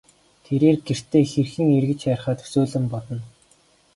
Тэрээр гэртээ хэрхэн эргэж харихаа төсөөлөн бодно.